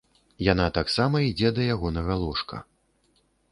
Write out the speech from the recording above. Яна таксама ідзе да ягонага ложка.